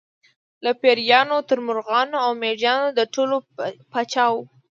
له پېریانو تر مرغانو او مېږیانو د ټولو پاچا و.